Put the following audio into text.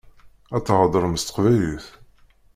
Ad theḍṛem s teqbaylit.